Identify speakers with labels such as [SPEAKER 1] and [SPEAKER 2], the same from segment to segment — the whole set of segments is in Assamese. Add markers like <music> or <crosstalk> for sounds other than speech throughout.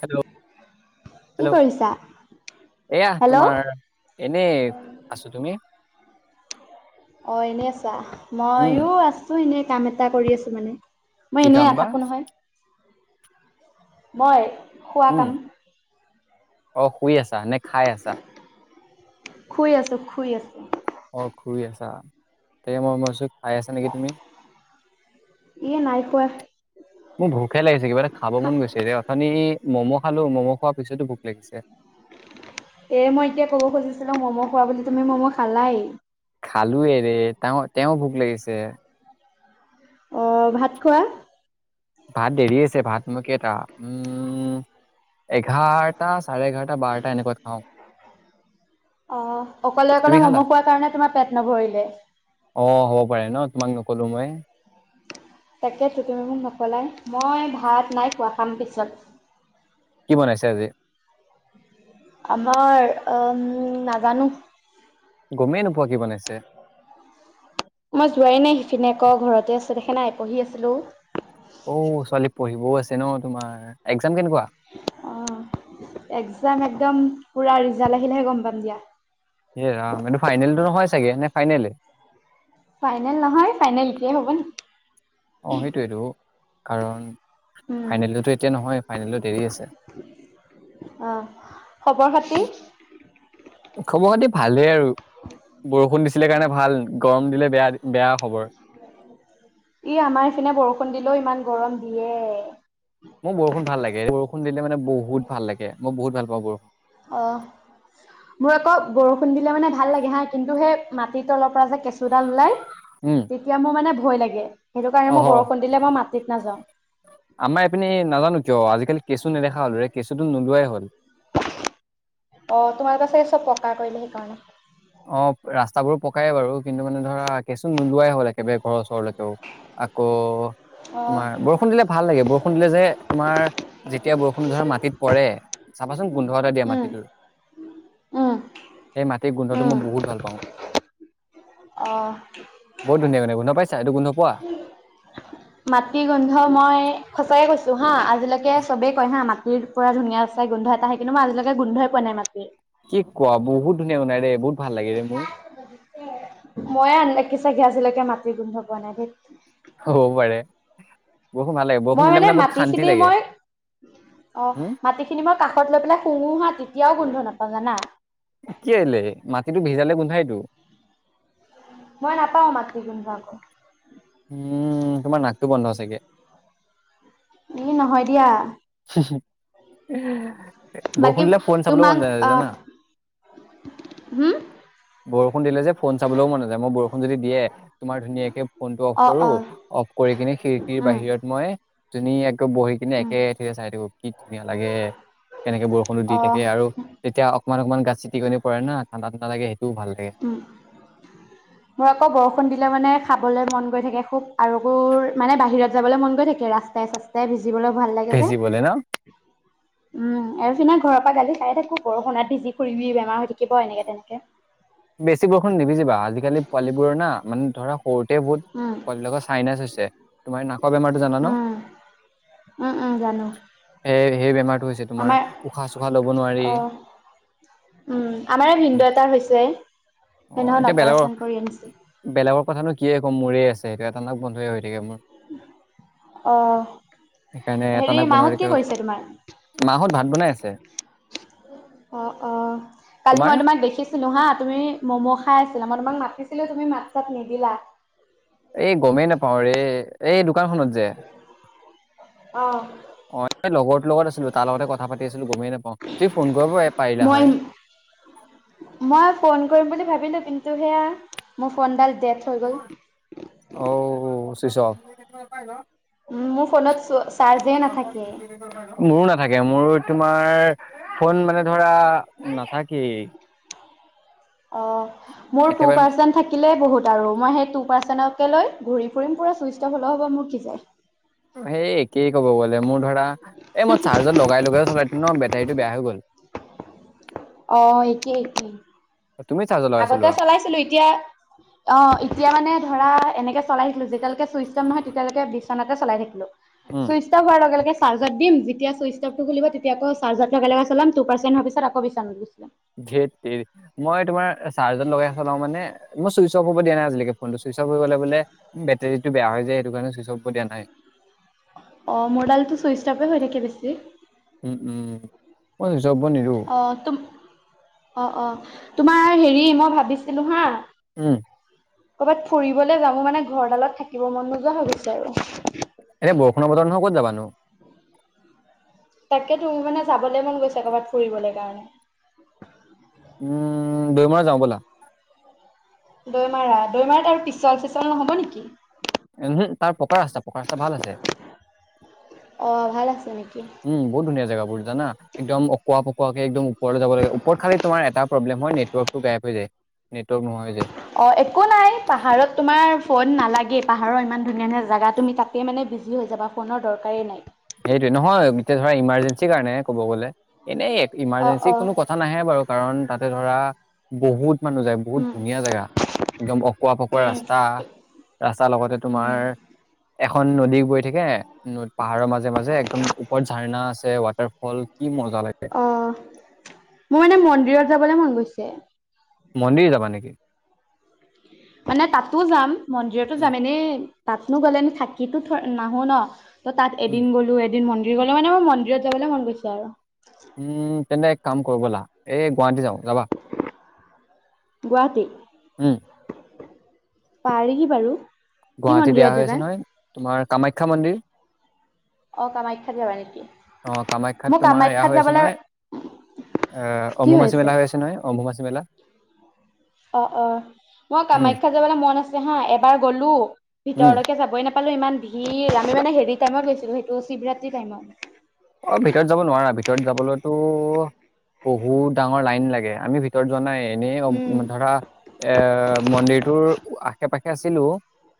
[SPEAKER 1] হেল্ল'!
[SPEAKER 2] কি
[SPEAKER 1] হেল্ল'!
[SPEAKER 2] কৰিছা?
[SPEAKER 1] এয়া
[SPEAKER 2] হেল্ল'।
[SPEAKER 1] তোমাৰ এনে আছোঁ তুমি?
[SPEAKER 2] অ'! এনেই আছা।
[SPEAKER 1] উম
[SPEAKER 2] মইয়ো আছোঁ এনেই। কাম এটা কৰি আছোঁ মানে। মই
[SPEAKER 1] কি
[SPEAKER 2] এনেই
[SPEAKER 1] কাম বা
[SPEAKER 2] নাথাকোঁ নহয়। মই খোৱা
[SPEAKER 1] উম
[SPEAKER 2] কাম
[SPEAKER 1] অ শুই আছা নে খাই আছা?
[SPEAKER 2] শুই আছো শুই আছো।
[SPEAKER 1] অ সুই আছা তাকে মই মইছো খাই আছা নেকি তুমি
[SPEAKER 2] ই নাই খোৱা।
[SPEAKER 1] মোক ভোকে লাগিছে কিবা এটা খাব মন গৈছে এতি অথনি ম'ম' খালো ম'ম' খোৱাৰ পিছতো ভোক লাগিছে।
[SPEAKER 2] এ মই এতিয়া ক'ব খুজিছিলো, ম'ম' খোৱা বুলি। তুমি ম'ম' খালাই।
[SPEAKER 1] খালোৱে ৰে। তেওঁ, তেওঁ ভোক লাগিছে।
[SPEAKER 2] অ ভাত খোৱা।
[SPEAKER 1] ভাত দেৰি আছে। ভাত মোৰ কেইটা, উম এঘাৰটা, চাৰে এঘাৰটা, বাৰটা এনেকুৱাত খাওঁ।
[SPEAKER 2] অ'
[SPEAKER 1] তুমি
[SPEAKER 2] অকলে-অকলে
[SPEAKER 1] খালা
[SPEAKER 2] মম' খোৱাৰ কাৰণে তোমাৰ পেট নভৰিলে।
[SPEAKER 1] অ হ'ব পাৰে ন তোমাক নকলো মই।
[SPEAKER 2] তাকে তুমি মোক নকলাই। মই ভাত নাই খোৱা। খাম পিছত।
[SPEAKER 1] কি বনাইছে আজি?
[SPEAKER 2] আমাৰ, আ- উ নাজানো।
[SPEAKER 1] গমেই নোপোৱা কি বনাইছে।
[SPEAKER 2] মই যোৱাই নাই। সেইখিনি আকৌ, ঘৰতে আছো। সেইখে এই পঢ়ি আছিলো।
[SPEAKER 1] অ ছোৱালী। পঢ়িবও আছে ন তোমাৰ। এক্জাম কেনেকুৱা।
[SPEAKER 2] অ' একজাম একদম পুৰা, ৰিজাল্ট আহিলেহে গম পাম দিয়া।
[SPEAKER 1] ইয়ে ৰাম, এইটো ফাইনেলতটো নহয় চাগে। নে, ফাইনেল।
[SPEAKER 2] ফাইনেল নহয়। ফাইনেল এতিয়াই হ'ব নেকি!
[SPEAKER 1] অ সেইটোেইটো। কাৰণ।
[SPEAKER 2] উম
[SPEAKER 1] ফাইনেলতো এতিয়া নহয়। ফাইনেলটো দেৰি আছে।
[SPEAKER 2] অ' খবৰ খাতি
[SPEAKER 1] খবৰ খাতি ভালেই আৰু। বৰষুণ দিছিলে কাৰণে ভাল। গৰম দিলে বেয়া, বেয়া খবৰ।
[SPEAKER 2] ই আমাৰ নিছিনা বৰষুণ দিলেও ইমান গৰম দিয়ে।
[SPEAKER 1] মোৰ বৰষুণ ভাল লাগে। বৰষুণ দিলে মানে বহুত ভাল লাগে। মই বহুত ভাল পাওঁ বৰষুণ।
[SPEAKER 2] অ' মোৰ আকৌ বৰষুণ দিলে মানে ভাল লাগে হা কিন্তু সেই মাটিৰ তলৰ পৰা যে কেচু। চো ডাল ওলাই।
[SPEAKER 1] উম
[SPEAKER 2] তেতিয়া মোৰ মানে, ভয় লাগে। সেইটো কাৰণে
[SPEAKER 1] অহ
[SPEAKER 2] মই বৰষুণ দিলে মই মাটিত নাযাওঁ।
[SPEAKER 1] আমাৰ এইপিনে নাজানো কিয় আজিকালি কেঁচু নেদেখা হ'লৰে। কেঁচুটো নোলোৱাই হ'ল।
[SPEAKER 2] অ তোমাৰ পাছে চব পকা কৰিলে, সেইকাৰণে।
[SPEAKER 1] অ' ৰাস্তাাবোৰ পকাই বাৰু। কিন্তু মানে ধৰা, কেঁচু নোলোৱাই হ'ল একেবাৰে ঘৰৰ ওচৰলৈকেও, আকৌ
[SPEAKER 2] অ'
[SPEAKER 1] তোমাৰ বৰষুণ দিলে ভাল লাগে। বৰষুণ দিলে যে তোমাৰ, যেতিয়া বৰষুণ ধৰা মাটিত পৰে। চাবা। <unintelligible> গোন্ধ এটা দিয়া
[SPEAKER 2] উম
[SPEAKER 1] মাটিটোৰ।
[SPEAKER 2] উম
[SPEAKER 1] সেই মাটি গোন্ধটো
[SPEAKER 2] উম।
[SPEAKER 1] মই বহুত ভাল পাওঁ।
[SPEAKER 2] অ'।
[SPEAKER 1] বহুত ধুনীয়া মানে, গোন্ধ পাইছা? এইটো গোন্ধ পোৱা।
[SPEAKER 2] মাটি গোন্ধ, মই সচাকে কৈছো হা আ আজিলেকে চবেই কই হা মা টিৰ পৰা ধুনীয়া চাই গোন্ধ এটা আহে, কিন্তু মই আজিলৈকে গোন্ধই পোৱা নাই মাটিৰ।
[SPEAKER 1] কি কোৱা, বহুত ধুনীয়া গোন্ধাই দে বহুত ভাল লাগেৰে মোৰ।
[SPEAKER 2] মইয়ে আনলাকি চাগে আজিলৈকে মাটিৰ গোন্ধ পোৱা নাই দেই।
[SPEAKER 1] হ'ব পাৰে। বৰষুণ ভাল লাগে বৰষুণ
[SPEAKER 2] মই
[SPEAKER 1] দিলে
[SPEAKER 2] মানে
[SPEAKER 1] বহুত শান্তি
[SPEAKER 2] মাটিখিনি
[SPEAKER 1] লাগে
[SPEAKER 2] মই অহ'
[SPEAKER 1] উম
[SPEAKER 2] মাটিখিনি মই কাষত লৈ পেলাই শুঙো হা তে তিয়াও গোন্ধ নাপাও জানা।
[SPEAKER 1] কেলে, মাটিটো ভিজালে গোন্ধাইতো।
[SPEAKER 2] মই নাপাওঁ, মাটিৰ গোন্ধ আকৌ।
[SPEAKER 1] উম, তোমাৰ নাকটো বন্ধ চাগে।
[SPEAKER 2] ই নহয় দিয়া।
[SPEAKER 1] হুহুম বৰষুণ
[SPEAKER 2] বাকী
[SPEAKER 1] দিলে ফোন চাবলে মন
[SPEAKER 2] তোমাক
[SPEAKER 1] যোৱা নাই
[SPEAKER 2] আহ
[SPEAKER 1] জানা।
[SPEAKER 2] হম
[SPEAKER 1] বৰ ষুণ দিলে যে ফোন চাবলৈও মন নাযায় মই বৰষুণ যদি দিয়ে তোমাৰ ধুনীয়াকে ফোন টো অফ
[SPEAKER 2] অ
[SPEAKER 1] কৰো
[SPEAKER 2] অ
[SPEAKER 1] অফ কৰি কিনে খিৰিকীৰ
[SPEAKER 2] উম
[SPEAKER 1] বাহিৰত মই। ধুনীয়াকে। বহি কিনে
[SPEAKER 2] উম
[SPEAKER 1] একে। খিৰিকিৰে চাই থাকো কি ধুনীয়া লাগে কেনেকে বৰষুণো দি
[SPEAKER 2] অ
[SPEAKER 1] থাকে আৰু তেতিয়া অকমান অকনমান গাত চিত টিকনি পৰে না ঠাণ্ডা ঠাণ্ডা লাগে। সেইটোও ভাল লাগে
[SPEAKER 2] উম মোৰ আকৌ বৰষুণ দিলে মানে খাবলৈ মন। গৈ থাকে খুব আৰু মোৰ মানে বাহিৰত যাবলৈ মন গৈ থাকে ৰাস্তাই চাস্তাই। ভিজিবলৈও ভাল লাগে যে,
[SPEAKER 1] ভিজিবলে ন
[SPEAKER 2] উম এইপিনে। ঘৰৰ পৰা গালি খাই থাকো বৰষুণত ভিজি ফুৰিবি বেমাৰ হৈ থাকিব এনেকে তেনেকে।
[SPEAKER 1] বেছি বৰষুণ নিভিজিবা আজিকালি পোৱালীবোৰৰ না মানে ধৰা। সৰুতে বহুত
[SPEAKER 2] উম
[SPEAKER 1] পোৱালী বিলাকৰ চাইনাছ হৈছে তোমাৰ নাকৰ বেমাৰটো জানা ন,
[SPEAKER 2] উম উম উম জানো
[SPEAKER 1] সে সেই বেমাৰটো হৈছে তোমাৰ
[SPEAKER 2] আমাৰ
[SPEAKER 1] উশাহ চোশাহ ল'ব নোৱাৰি।
[SPEAKER 2] অ উম আমাৰে ভিনদেউ এটাৰ হৈছে
[SPEAKER 1] অ
[SPEAKER 2] সেইদিনাখন অপাৰেচন কৰি আনিছিল।
[SPEAKER 1] কথাটো কিয়ে কম মোৰেই আছে এইটো এটা নাক বন্ধই হৈ থাকে মোৰ।
[SPEAKER 2] অহ
[SPEAKER 1] সেইকাৰণে এটা
[SPEAKER 2] হেৰি
[SPEAKER 1] নাক বন্ধ হৈ
[SPEAKER 2] মাহঁত
[SPEAKER 1] থাকে
[SPEAKER 2] কি কৰিছে তোমাৰ?
[SPEAKER 1] মাহঁত ভাত বনাই আছে।
[SPEAKER 2] অ', অ', কালি মই
[SPEAKER 1] তোমাৰ
[SPEAKER 2] তোমাক দেখিছিলো হা তুমি ম'ম' খা খাই আছিলা মই তোমাক মাতিছিলো তুমি মাত চাত নিদিলা।
[SPEAKER 1] এই গমেই নাপাওঁ ৰে। এই দোকানখনত যে
[SPEAKER 2] অ
[SPEAKER 1] অ, এ লগৰটোৰ লগত আছিলো তাৰ লগতে কথা পাতি আছিলো গমেই নাপাওঁ তুমি ফোন কৰিবই পাৰিলা হয়।
[SPEAKER 2] মই মই ফোন কৰিম বুলি ভাবিলো কিন্তু সেয়া মোৰ ফোনডাল, ডেথ হৈ গ'ল,
[SPEAKER 1] ছুইটছ অ'ফ,
[SPEAKER 2] উম মোৰ ফোনত চ চাৰ্জে নাথাকে।
[SPEAKER 1] তা লকে মোৰো তোমাৰ, ফোন মানে ধৰা নাথাকেই,
[SPEAKER 2] অ মোৰ টু
[SPEAKER 1] একেবাৰে
[SPEAKER 2] পাৰ্চেন্ট থাকিলে বহুত বাৰ মই সেই টু পাৰ্চনকে লৈ ঘূৰি ফুৰিম পুৰা চুইচ ভ হ'ব মোৰ কি যায়।
[SPEAKER 1] সেই, কি ক'ব গ'লে মোৰ ধৰা এই মই চাৰ্জাৰ লগাই লগাই চলাই থ ন, এইটো বেয়া হৈ' গল।
[SPEAKER 2] আহ একেই একেই,
[SPEAKER 1] তুমি চাৰ্জত লগাই
[SPEAKER 2] আগতে
[SPEAKER 1] চলোৱা
[SPEAKER 2] চলাইছিলো, এতিয়া অ! এতিয়া মানে ধৰা এনেকে চলাই <unintelligible> চুইস্ত অফ তেতিয়ালকে তেনেকে চলাই থাকিলো।
[SPEAKER 1] উম
[SPEAKER 2] চুইচ অফ হোৱাৰ লগে লগে, চাৰ্জত দিম যেতিয়া ছুইচ অফটো খুলিব তেতিয়া তিয়া আকৌ ৰ্জাৰটো একেলগ চলাম পাৰ্চেট হোৱাৰ পিছত আকৌ বিচনাত গুছি যাম।
[SPEAKER 1] <unintelligible> মই তোমাৰ চাৰ্জ লগাই চলাও মানে মই, চইচ অফ' দিয়া নাইজকে ফোনটো ছুইচফ হৈ গলে বোলে বেটৰীটো বেয়া হৈ য সটো কাৰণে ছুইচ অফব দিয়া নাই,
[SPEAKER 2] অ মোৰডালটো চুইচ অপে হৈ থাকে বেছি,
[SPEAKER 1] উম! উম! উ ম
[SPEAKER 2] অ ত অ অ তোমাৰ হেৰি মই ভাবিছিলোঁ হা
[SPEAKER 1] উম!
[SPEAKER 2] কৰ'ৰবাত ফুৰিবলে যাব মানে ঘৰ ডালত থাকিব মন নোযোৱা হৈ গৈছে আৰু
[SPEAKER 1] এতিয়া বৰষুণৰ বতৰ নহয় ক'ত যাবানো-
[SPEAKER 2] তাকে তুমি মানে যাবলৈ মন গৈছা কৰবাত ফুৰিবলৈ কাৰণে,
[SPEAKER 1] উম দুইমাৰত যাওঁ ব'লা
[SPEAKER 2] দৈমাৰা দৈমাৰাত আৰু পিছল চিচল নহব নেকি?
[SPEAKER 1] উমহ তাৰ প পকা ৰাস্তা পকা ৰাস্তা ভাল আছে।
[SPEAKER 2] অ ভাল আছে নেকি?
[SPEAKER 1] উম বহুত ধুনীয়া জেগাবোৰ জানা একদম অকোৱা পকুৱাকে ওপৰলৈ যাব লাগে ওপৰত খালি তোমাৰ এটা প্ৰব্লেম হয় নেটৱৰ্ক টো বেপ হৈ যায় নেটৱৰ্ক নহ হৈ যায়।
[SPEAKER 2] অ একো নাই পাহাৰত তোমাৰ ফোন নালাগে। পাহাৰৰ ইমান ধুনীয়া ধুনীয়া জাগা তুমি তাতে মানে যি হৈ যাবা, ফোনৰ দৰকাৰেই নাই।
[SPEAKER 1] সেইটোয়ে। নহয়, এতিয়া ধৰা ইমাৰ্জেঞ্চিৰ কাৰণে কব গ'লে। এনেই
[SPEAKER 2] অ',
[SPEAKER 1] ইমাৰ্জেঞ্চিৰ
[SPEAKER 2] অ'।
[SPEAKER 1] কোনো কথা নাহে বাৰু কাৰণ তাত ধৰা বহুত মানুহ যায় বহুত
[SPEAKER 2] উম,
[SPEAKER 1] ধুনীয়া জেগা। একদম অকোৱা ফকোৱা
[SPEAKER 2] উম,
[SPEAKER 1] ৰাস্তা ৰাস্তাৰ লগতে তোমাৰ
[SPEAKER 2] উম,
[SPEAKER 1] এখন নদী বৈ থাকে পাহাৰৰ মাজত। মাজে মাজে একদম ওপৰত ঝাৰণা আছে, ৱাটাৰফল। কি মজা লাগে
[SPEAKER 2] অঁ মোৰ মানে মন্দিৰত যাবলৈ মন গৈছে। যে।
[SPEAKER 1] মন্দিৰ যাবা নেকি?
[SPEAKER 2] মানে তাতো যাম। মন্দিৰতো
[SPEAKER 1] উম
[SPEAKER 2] যাম এনেই তাতনো গ'লে ন থাকিটো নাহো ন'! ত' তাত
[SPEAKER 1] উম,
[SPEAKER 2] এদিন গ'লো এদিন মন্দিৰ ঘলে মানে মোৰ মন্দিৰত যাবলৈ মন গৈছ আৰু
[SPEAKER 1] উম, তেন্তে এক কাম কৰিবলা এই গুৱাহাটী যাও যাবা
[SPEAKER 2] গুৱাহাটী।
[SPEAKER 1] উম
[SPEAKER 2] পাৰি বাৰু। কি
[SPEAKER 1] গুৱাহাটীত এইয়া
[SPEAKER 2] মন্দিৰত যাবা
[SPEAKER 1] আছে নহয় তোমাৰ কামাখ্যা মন্দিৰ।
[SPEAKER 2] অ কামাখ্যাত যাবা নেকি
[SPEAKER 1] অহ,
[SPEAKER 2] মোৰ
[SPEAKER 1] কামাখ্যাত তোমাৰ এয়া
[SPEAKER 2] কামাখ্যাত
[SPEAKER 1] হৈ আছে
[SPEAKER 2] যাবলৈ
[SPEAKER 1] নহয় অহ
[SPEAKER 2] কি
[SPEAKER 1] অম্বুবাচী
[SPEAKER 2] হৈছে
[SPEAKER 1] মেলা হৈ আছে নহয় অম্বুবাচী। <unintelligible>
[SPEAKER 2] অ' অ' মই
[SPEAKER 1] উম
[SPEAKER 2] কামাখ্যাত যাবলৈ মন আছে হা। এবাৰ গ'লো।
[SPEAKER 1] উম,
[SPEAKER 2] ভিতৰলৈকে যাবই নাপায়। পালোঁ ইমান ভিৰ। আমি মানে হেৰি টাইমত গৈছিলো, সেইটো শিৱৰাত্ৰি টাইমত।
[SPEAKER 1] অ' ভিতৰত যাব নোৱাৰা। ভিতৰত যাবলৈতো বহুত ডাঙৰ লাইন লাগে। আমি ভিতৰত যোৱা নাই।
[SPEAKER 2] উম
[SPEAKER 1] এনেই ধৰা এ মন্দিৰটোৰ আশে পাশে আছিলো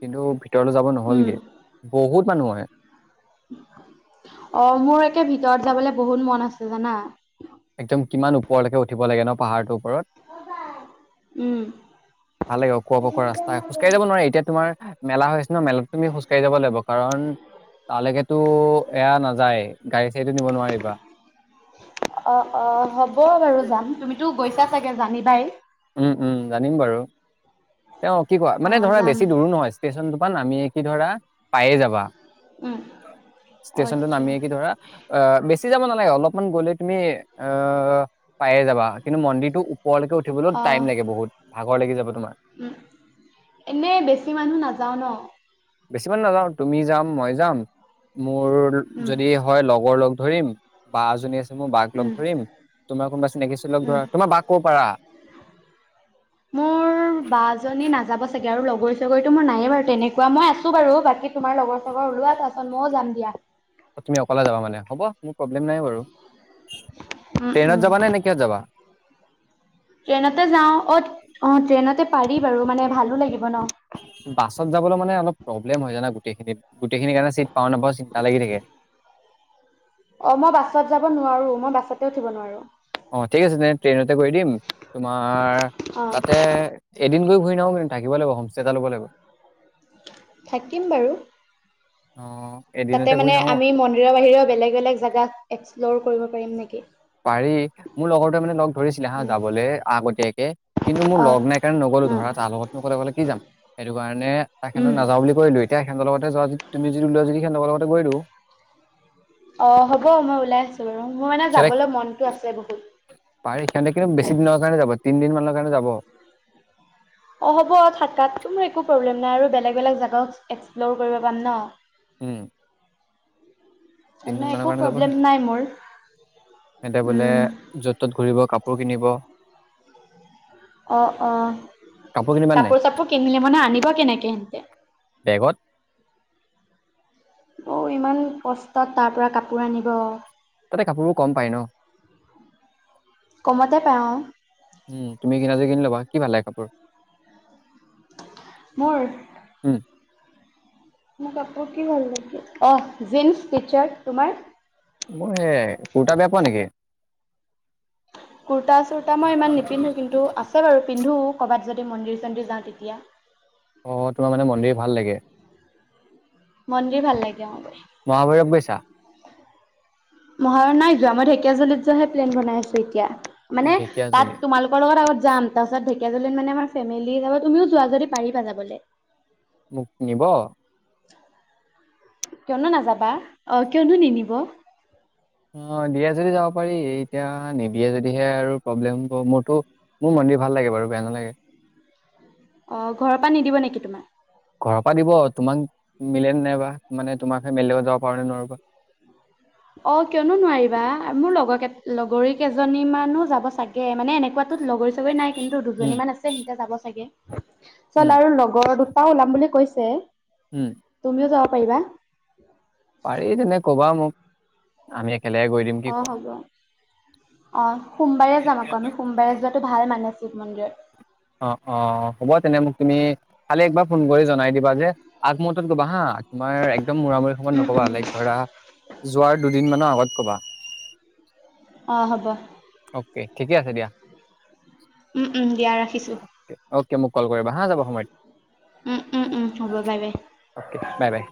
[SPEAKER 1] কিন্তু তেওঁ যাব
[SPEAKER 2] উম
[SPEAKER 1] নহ'লগে বহুত মানুহয়
[SPEAKER 2] অ মোৰ একে ভিতৰত যাবলে বহুত মন আছে জানা
[SPEAKER 1] একদম কিমান ওপৰলৈকে উঠিব লাগে ন পাহাৰটোোক
[SPEAKER 2] উম
[SPEAKER 1] ভাল লেওকোৱা পকা ৰা্তা খোকাঢ় যাবোৱাৰে এতিাতো তোমাৰ মেলা হৈছে ন মেলাত তুমি খোজ কাঢ়ি যাব লাগিব কাৰণ তালৈকেতো এয়া নাযায় গাড়ী চাড়ীটো নিব নোৱাৰিবা
[SPEAKER 2] অ অ হ'ব বাৰু যাম তুমিতো গৈছা চাগে জানিবাই
[SPEAKER 1] উম উম জানিম বাৰু তেওঁ কি কোৱা
[SPEAKER 2] অ
[SPEAKER 1] মানে ধৰা
[SPEAKER 2] যাম
[SPEAKER 1] বেছি দূৰো নহয় ষ্টেচন নামিয় কি ধৰা পায়ে যাবা
[SPEAKER 2] উম
[SPEAKER 1] ষ্টেচনতটো
[SPEAKER 2] আচ্ছা
[SPEAKER 1] নামিয়ে কি ধৰা অ বেছি যাব নালাগে অলপমান গ'লে তুমি আহ পায়ে যাবা কিন্তু মন্দিৰটো ওপৰলৈকে উঠিবলৈও
[SPEAKER 2] অ
[SPEAKER 1] টাইম লাগে বহুত ভাগৰ লাগি যাব তোমাৰ
[SPEAKER 2] এনে বেছি মানুহ নাযাও ন
[SPEAKER 1] বেছি মানুহ নাযাওঁ তুমি যাম মই যাম। মোৰ
[SPEAKER 2] উম
[SPEAKER 1] যদি হয় লগৰ লগ ধৰিম বা এজনী আছে মই বাক লগ
[SPEAKER 2] উম
[SPEAKER 1] ধৰিম তোমাৰ কোনোবা চিনাকি আছে যদি লগ
[SPEAKER 2] উম
[SPEAKER 1] ধৰা তোমাৰ বাক ক'ব পাৰা।
[SPEAKER 2] মোৰ বা জনী নাযাব চাগে আৰু লগৰ চগৰী মোৰ নায়েই বাৰু তেনেকুৱা মই আছো বাৰু বাকী তোমাৰ লগৰ চগৰ ওলোৱা তাৰ পাছত মও যাম দিয়া।
[SPEAKER 1] তুমি অকলে যাবা মানে হ'ব মোৰ প্ৰব্লেম নাই বাৰু।
[SPEAKER 2] উম
[SPEAKER 1] ট্ৰেইনত
[SPEAKER 2] উম
[SPEAKER 1] যাবা নে নে কিহত যাবা?
[SPEAKER 2] ট্ৰেইনতে যাও অ অ ট্ৰেইনতে পাৰি বাৰু মানে ভালো লাগিব ন।
[SPEAKER 1] বাছত যাবলৈ মানে অলপ প্ৰব্লেম হয় জানা গোটেইখিনিত গোটেইখিনিৰ কাৰণে চিট পাওঁ নাপাওঁ চিন্তা লাগি থাকে।
[SPEAKER 2] অ মই বাছত যাব নোৱাৰো মই বাছতে উঠিব নোৱাৰো।
[SPEAKER 1] অ' ঠিক আছে তেনে ট্ৰেইনতে কৰি দিম। তোমাৰ
[SPEAKER 2] অ
[SPEAKER 1] তাতে এদিন গৈ ঘূৰি নাহো কিন্ত থাকিব লাগিব হোমষ্টে এটা ল'ব লাগিব।
[SPEAKER 2] থাকিম বাৰু
[SPEAKER 1] অ
[SPEAKER 2] তাতে
[SPEAKER 1] এদিনতে ঘূৰি
[SPEAKER 2] মানে
[SPEAKER 1] নাহো
[SPEAKER 2] আমি মন্দিৰৰ বাহিৰেও বেলেগ - বেলেগ জাগা এক্সপ্লৰ কৰিব পাৰিম নেকি?
[SPEAKER 1] পাৰি মোৰ লগৰটোৱে মানে লগ ধৰিছিলে হা
[SPEAKER 2] উম,
[SPEAKER 1] যাবলৈ আগতীয়াকে কিন্তু মোৰ
[SPEAKER 2] অ',
[SPEAKER 1] লগ নাই কাৰণে নগ'লো
[SPEAKER 2] উম,
[SPEAKER 1] ধৰা তাৰ লগতনো অকলে অকলে কি যাম, সেইটো কাৰণে তাক সেইদিনা
[SPEAKER 2] উম।
[SPEAKER 1] নাযাওঁ বুলি কলো এতিয়া সিহঁতৰ লগতে যোৱা যা তুমি যদি ওলোৱা যদি সিহঁতৰ লগতে গৈ দিও।
[SPEAKER 2] অ হ'ব মই ওলাই আছো বাৰু মই মানে যাবলৈ মনটো আছে বহুত।
[SPEAKER 1] পাৰি সিহঁতে কিন্তু বেছি দিনৰ কাৰণে যাব। তিনদিন মানৰ কাৰণে যাব।
[SPEAKER 2] অ' হ'ব থাকাত মোৰ একো প্ৰব্লেম নাই আৰু বেলেগ- বেলেগ জাগাও এক্সপ্ল'ৰ কৰিব পাম ন।
[SPEAKER 1] উম। তিনদিন
[SPEAKER 2] মানে
[SPEAKER 1] মানৰ
[SPEAKER 2] একো
[SPEAKER 1] কাৰণে যাব
[SPEAKER 2] প্ৰব্লেম
[SPEAKER 1] সিহঁতে
[SPEAKER 2] নাই মোৰ।
[SPEAKER 1] সিহঁতে বোলে
[SPEAKER 2] উম,
[SPEAKER 1] য'ত- ত'ত ঘূৰিব কাপোৰ কাপোৰ কিনিব।
[SPEAKER 2] অ', অ',
[SPEAKER 1] কিনিবা নে নাই
[SPEAKER 2] কাপোৰ চাপোৰ কিনিলে মানে আনিবা কেনেকে হেনতে?
[SPEAKER 1] বেগত
[SPEAKER 2] অ, ইমান কষ্টত তাৰ পৰা কাপোৰ আনিব।
[SPEAKER 1] তাতে কাপোৰবোৰ কম পায় ন?
[SPEAKER 2] কমতে পাওঁ
[SPEAKER 1] উম, তুমি কিনা যদি কিনি লবা। কি ভাল লাগে কাপোৰ?
[SPEAKER 2] মোৰ?
[SPEAKER 1] উম,
[SPEAKER 2] মোৰ কাপোৰ কি ভাল লাগিব অ, জিনচ টি চাৰ্ট তোমাৰ?
[SPEAKER 1] মই এ কুৰ্তা বেয়া পোৱা নেকি?
[SPEAKER 2] কুৰ্তা-চুৰ্তা মই ইমান নিপিন্ধো কিন্তু আছে বাৰু পিন্ধো ক'বাত যদ যদি মন্দিৰ চন্দিৰ যাওঁ তেতিয়া।
[SPEAKER 1] অ', তোমাৰ মানে মন্দিৰ ভাল লাগে।
[SPEAKER 2] মন্দিৰ ভাল লাগে অ, গৈ।
[SPEAKER 1] মহাভৈৰৱ গৈছা?
[SPEAKER 2] মহা <unintelligible> নাই যোৱা মই ঢেকিয়াজুলিত যোৱাহে প্লেন বনাই আছো এতিয়া।
[SPEAKER 1] অ',
[SPEAKER 2] মানে
[SPEAKER 1] ঢেকীয়াজুলি।
[SPEAKER 2] তাত তোমালোকৰ লগত আগত যাম তাৰপাছত ঢেকীয়াজুলিত মানে আমাৰ ফেমিলি যাব তুমিও যোৱা যদি পাৰিবা যাবলে।
[SPEAKER 1] মোক নিব?
[SPEAKER 2] <inaudible> কিয়নো নাযাবা অ, কিয়নো নিনিব।
[SPEAKER 1] অ, দিয়ে যদি যাব পাৰি এতিয়া নিদিয়ে যদিহে আৰু প্ৰব্লেমটো মোৰতো মোৰ মন্দিৰ ভাল লাগে বাৰু বেয়া নালাগে।
[SPEAKER 2] অ, ঘৰৰ পৰা নিদিব নেকি তোমাৰ?
[SPEAKER 1] পা দিব তোমাক মিলে ন নাইবা মানে তোমাক ফেমেলি লগত যাব পাৰনে নোৱাৰোবা।
[SPEAKER 2] অ কিয়নো নোৱাৰিবা মোৰ লগৰ লগৰী কেইজনী মানো যাব চাগে মানে এনেকুৱাাতোত লগৰ চবে নাই কিন্তু
[SPEAKER 1] উম,
[SPEAKER 2] দুজনীমান আছে সিহতে যাব চাগে। চল
[SPEAKER 1] উম,
[SPEAKER 2] আৰু লগৰ তা ওলাম বুলি কৈছে।
[SPEAKER 1] উম,
[SPEAKER 2] তুমিও যা পাৰিবা।
[SPEAKER 1] পাৰি তেনে ক'বা মোক। আমি একেলগে গৈ দিম, কি
[SPEAKER 2] অ,
[SPEAKER 1] কোৱা?
[SPEAKER 2] হ'ব অ', সোমবাৰে যাম আকৌ আমি সোমবাৰে যোৱাাতো ভাল মানে শিৱ মন্দিৰত।
[SPEAKER 1] অ অ হ'ব তেনে মোক তুমি খালি একবাৰ ফোন কৰি জনাই দিবা যে আগমুহৰ্তত গবা হা। তোমাৰ একদম মৰামৰি সময়ত
[SPEAKER 2] উম
[SPEAKER 1] নকবা
[SPEAKER 2] উম
[SPEAKER 1] লাইক ধৰা যোৱাৰ দুদিন মান আ গত ক'বা।
[SPEAKER 2] অ হ'ব
[SPEAKER 1] অ'কে ঠিকে আছে দিয়া।
[SPEAKER 2] উম। উম দিয়া ৰাখিছোঁ
[SPEAKER 1] অ'কে মোক কল কৰিবা হা যাব
[SPEAKER 2] উম উম উম হ'ব
[SPEAKER 1] সময়ত।
[SPEAKER 2] বাই বাই
[SPEAKER 1] অ'কে বাই বাই।